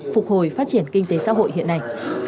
phục hồi phát triển kinh tế xã hội hiện nay